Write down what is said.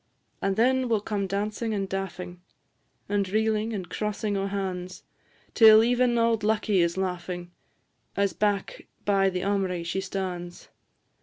And then will come dancing and daffing, And reelin' and crossin' o' han's, Till even auld Lucky is laughing, As back by the aumry she stan's.